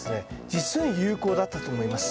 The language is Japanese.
実に有効だったと思います。